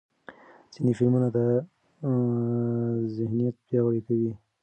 ځینې فلمونه دا ذهنیت پیاوړی کوي.